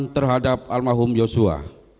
terhadap al mahum yosua